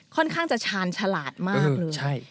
ค่อนข้างจะชาญฉลาดมากเลย